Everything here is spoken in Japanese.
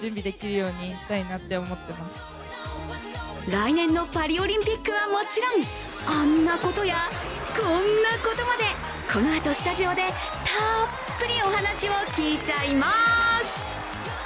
来年のパリオリンピックはもちろん、あんなことやこんなことまでこのあとスタジオでたっぷりお話を聞いちゃいます。